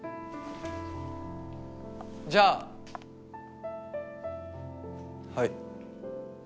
じゃあはい。